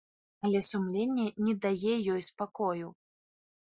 Але сумленне не дае ёй спакою.